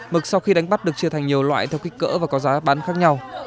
mực sau khi đánh bắt được chia thành nhiều loại theo kích cỡ và có giá bán khác nhau